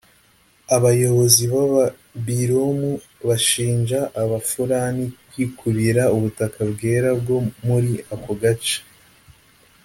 Abayobozi b’Ababiromu bashinja Abafulani kwikubira ubutaka bwera bwo muri ako gace